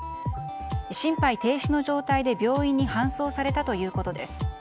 心肺停止の状態で病院に搬送されたということです。